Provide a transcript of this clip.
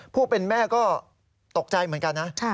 ผู้เป็นแม่ก็ตกใจเหมือนกันนะ